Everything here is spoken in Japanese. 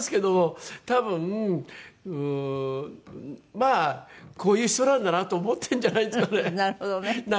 まあこういう人なんだなと思ってるんじゃないんですかね。